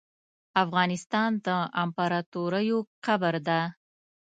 افغانستان د امپراتوریو قبر ده .